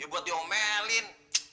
ya buat yong melin